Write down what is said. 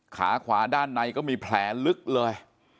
ขาขวาด้านในก็มีแผลลึกเลย